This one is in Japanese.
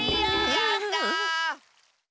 やった！